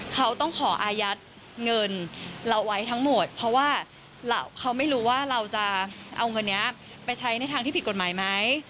เขาต้องขออายัดเงินเราไว้ทั้งหมดเพราะว่าเขาไม่รู้ว่าเราจะเอาเงินนี้ไปใช้ในทางที่ผิดกฎหมายไหม